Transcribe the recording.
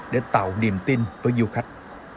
để tạo niềm tin với du khách